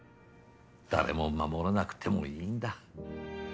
誰も守らなくてもいいんだ。